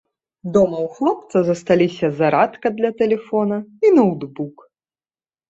Дома ў хлопца засталіся зарадка для тэлефона і ноўтбук.